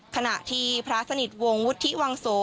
ขณะที่พระสนิทวงศ์วุฒิวังโส